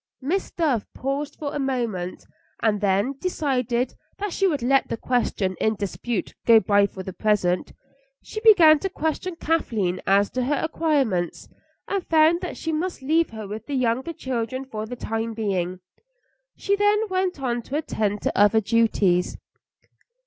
Miss Dove paused for a moment, and then decided that she would let the question in dispute go by for the present. She began to question Kathleen as to her acquirements, and found that she must leave her with the younger children for the time being. She then went on to attend to other duties.